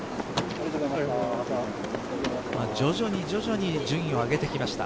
徐々に徐々に順位を上げてきました。